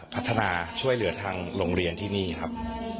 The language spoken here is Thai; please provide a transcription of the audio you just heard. พัฒนาช่วยเหลือทางโรงเรียนที่นี่ครับ